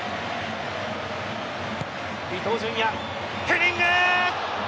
伊東純也、ヘディング！